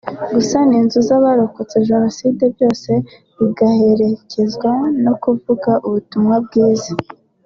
gusana inzu z’abarokotse Jenoside byose bigaherekezwa no kuvuga ubutumwa bwiza